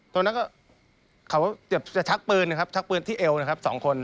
ตอนนั้นก็เขาจะชักปืนนะครับชักปืนที่เอวนะครับสองคน